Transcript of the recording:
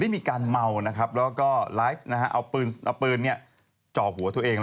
มีการเมานะครับแล้วก็ไลฟ์เอาปืนจ่อหัวตัวเอง